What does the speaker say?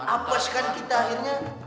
apaskan kita akhirnya